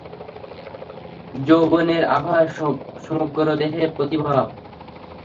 যৌবনের আভা সমগ্র দেহে প্রতিভাত।